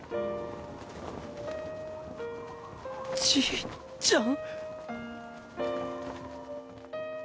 じいちゃん？